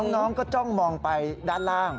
น้องก็จ้องมองไปด้านล่าง